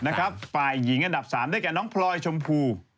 นะครับปายหญิงอันดับ๓ด้วยกับน้องพรอยชมพู